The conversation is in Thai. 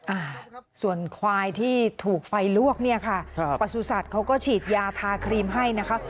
อ่าส่วนควายที่ถูกไฟลวกเนี่ยค่ะครับประสุทธิ์เขาก็ฉีดยาทาครีมให้นะคะ